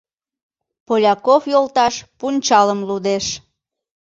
Поляков йолташ пунчалым лудеш.